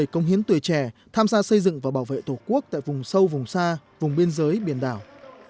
công hiến tuổi trẻ tham gia xây dựng và bảo vệ tổ quốc tại vùng sâu vùng xa vùng biên giới biển đảo